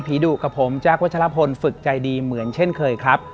ดุกับผมแจ๊ควัชลพลฝึกใจดีเหมือนเช่นเคยครับ